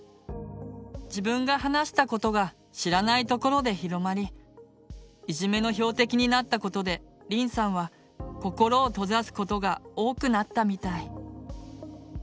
自分が話したことが知らないところで広まりいじめの標的になったことでりんさんは心を閉ざすことが多くなったみたい。